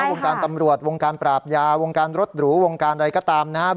วงการตำรวจวงการปราบยาวงการรถหรูวงการอะไรก็ตามนะครับ